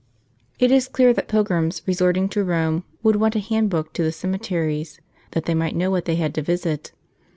* It is clear that pilgrims resorting to Rome would want a hand book to the cemeteries, that they might know what they had to visit.